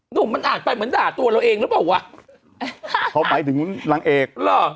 หนุ่มมันอาจเป็นเหมือนด่าตัวเราเองหรือเปล่าวะเขาไปถึงนางเอก